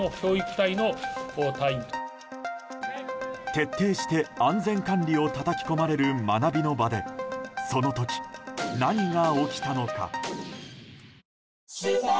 徹底して安全管理をたたき込まれる学びの場でその時、何が起きたのか。